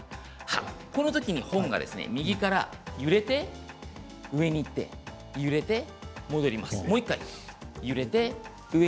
このときに本が右から揺れて、上にいって戻ります。